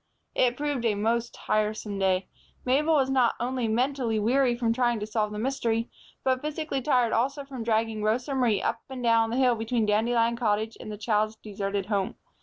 It proved a most tiresome day. Mabel was not only mentally weary from trying to solve the mystery, but physically tired also from dragging Rosa Marie up and down the hill between Dandelion Cottage and the child's deserted home.